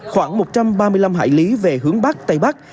khoảng một trăm ba mươi năm hải lý về hướng bắc tây bắc